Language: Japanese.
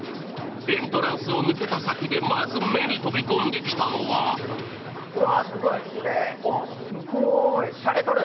エントランスを抜けた先でまず目に飛び込んできたのはうわ、すごい、きれい、しゃれとる。